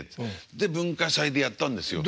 で文化祭でやったんですよ。